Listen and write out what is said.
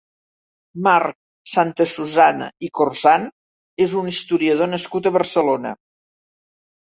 Marc Santasusana i Corzan és un historiador nascut a Barcelona.